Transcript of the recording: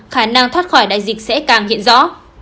khả năng thoát khỏi đại dịch sẽ càng hiện rõ